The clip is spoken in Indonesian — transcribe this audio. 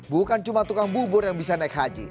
bukan cuma tukang bubur yang bisa naik haji